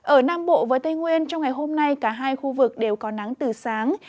ở nam bộ và tây nguyên trong ngày hôm nay cả hai khu vực đều có nắng từ sáng